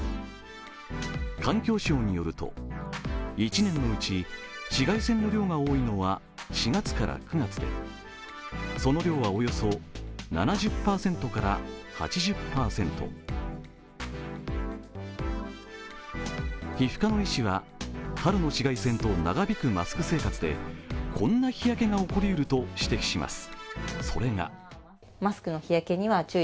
環境省によると、１年のうち紫外線の量が多いのは４月から９月でその量はおよそ７０％から８０％皮膚科の医師は春の紫外線と長引くマスク生活でこんな日焼けが起こりうると指摘します。